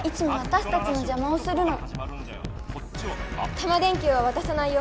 タマ電Ｑはわたさないよ。